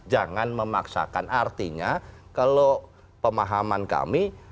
jangan memaksakan artinya kalau pemahaman kami